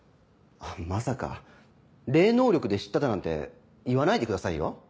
まさか霊能力で知っただなんて言わないでくださいよ？